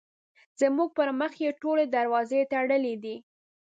زموږ پر مخ یې ټولې دروازې تړلې دي.